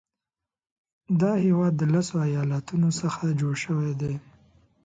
دا هیواد د لسو ایالاتونو څخه جوړ شوی دی.